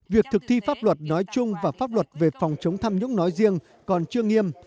việc thực thi pháp luật nói chung và pháp luật về phòng chống tham nhũng nói riêng còn chưa nghiêm